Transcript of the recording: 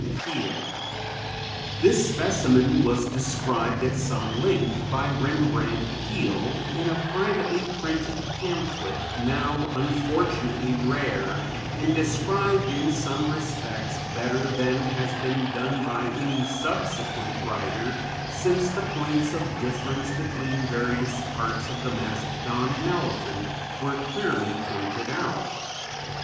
W. Peale. This specimen was described at some length by Rembrandt Peale in a privately printed pamphlet, now unfortunately rare, and described in some respects better than has been done by any subsequent writer, since the points of difference between various parts of the mastodon and elephant were clearly pointed out.